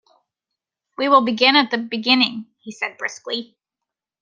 "We will begin at the beginning," he said briskly.